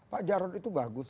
pak jarod itu bagus